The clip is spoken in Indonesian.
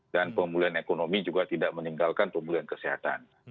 dan pemulihan ekonomi juga tidak meninggalkan pemulihan kesehatan